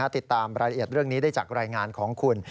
ติดตามรายละเอียดเรื่องนี้ได้จากรายงานของคุณ